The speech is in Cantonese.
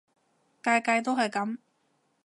屆屆都係噉